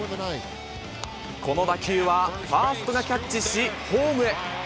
この打球はファーストがキャッチし、ホームへ。